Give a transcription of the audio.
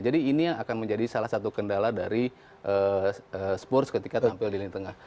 jadi ini yang akan menjadi salah satu kendala dari spurs ketika tampil di tengah